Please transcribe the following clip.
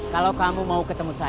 kalau kamu mau ke terminal